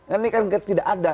ini kan tidak ada